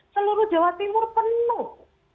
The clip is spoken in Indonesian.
seluruh jawa timur penuh